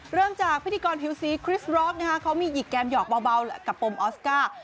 เริ่มจากพิธีกรผิวสีคริสรอกเขามีหยิกแกมหยอกเบากับปมออสการ์